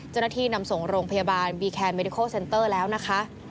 เจ้าหน้าที่นำส่งโรงพยาบาลบีแคนเมริโคเซ็นเตอร์แล้วนะคะ